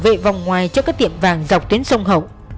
bí mật bảo vệ vòng ngoài cho các tiệm vàng dọc tuyến sông hậu